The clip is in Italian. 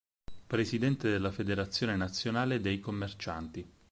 Presidente della federazione nazionale dei commercianti.